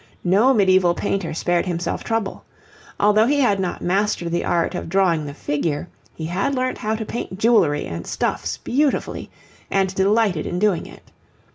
No medieval painter spared himself trouble. Although he had not mastered the art of drawing the figure, he had learnt how to paint jewellery and stuffs beautifully, and delighted in doing it.